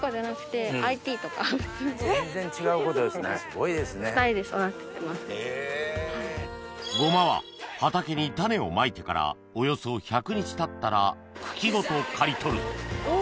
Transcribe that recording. ごまは畑に種をまいてからおよそ１００日たったら茎ごと刈り取るお！